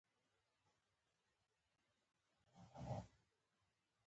بیا به په لاره کې له یوې زړې ډبرینې کلا څخه تېرېدو.